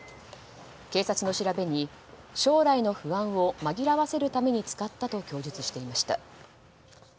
警察の調べに、将来の不安を紛らわせるために使ったと供述していました。